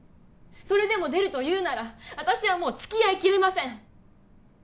それでも出るというなら私はもう付き合いきれません